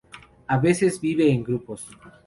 A veces viven en grupos.